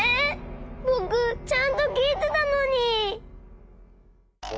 ぼくちゃんときいてたのに。